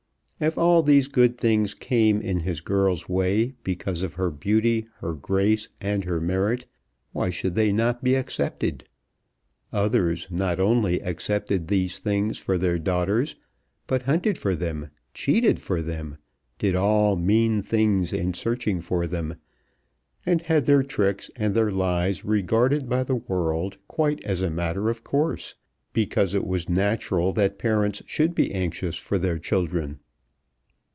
If all these good things came in his girl's way because of her beauty, her grace, and her merit, why should they not be accepted? Others not only accepted these things for their daughters, but hunted for them, cheated for them, did all mean things in searching for them, and had their tricks and their lies regarded by the world quite as a matter of course, because it was natural that parents should be anxious for their children.